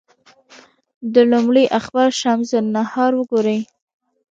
د لومړي اخبار شمس النهار وګوري.